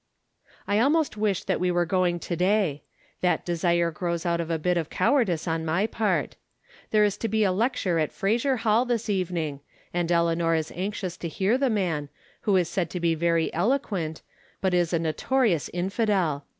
I almost wish that we were going to day. That desire grows out of a bit of cowardice on my part. There is to be a lecture at Frasier Hall this evening, and Eleanor is anxious to hear the man, who is said to be very eloquent, but is a notorious infidel.